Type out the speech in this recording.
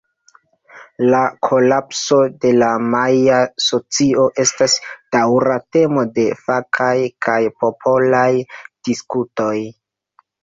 La kolapso de la majaa socio estas daŭra temo de fakaj kaj popolaj diskutoj.